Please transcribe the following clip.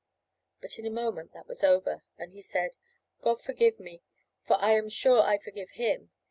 But in a moment that was over, and he said, "God forgive me, for I am sure I forgive him."